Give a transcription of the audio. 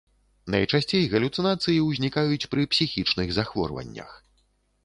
Найчасцей галюцынацыі ўзнікаюць пры псіхічных захворваннях.